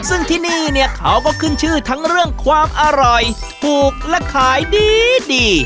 ซึ่งที่นี่เนี่ยเขาก็ขึ้นชื่อทั้งเรื่องความอร่อยถูกและขายดีดี